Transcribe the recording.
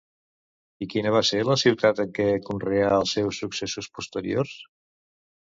I quina va ser la ciutat en què conreà els seus successos posteriors?